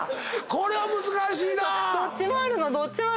これは難しいな！